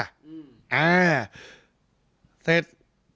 อ่าเสร็จ